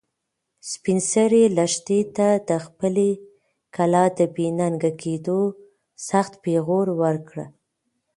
سپین سرې لښتې ته د خپلې کلا د بې ننګه کېدو سخت پېغور ورکړ.